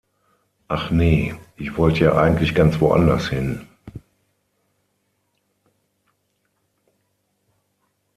Ach nee, ich wollte ja eigentlich ganz woanders hin.